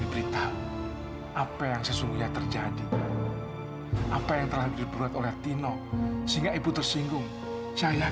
ibu tuh sekarang jadi pinter ngocah ya